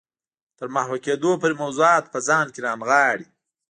تر محوه کېدو پورې موضوعات په ځان کې رانغاړي.